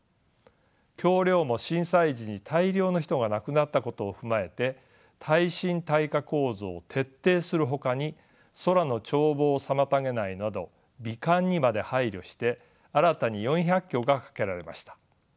橋梁も震災時に大量の人が亡くなったことを踏まえて耐震耐火構造を徹底するほかに空の眺望を妨げないなど美観にまで配慮して新たに４００橋がかけられました。